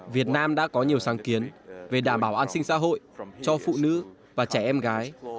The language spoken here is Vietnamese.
việt nam đã có nhiều sáng kiến về đảm bảo an sinh xã hội cho phụ nữ và trẻ em gái